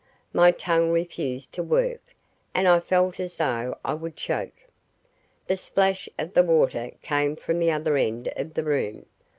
My tongue refused to work, and I felt as though I would choke. The splash of the water came from the other end of the room.